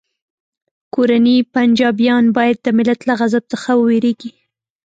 کورني پنجابیان باید د ملت له غضب څخه وویریږي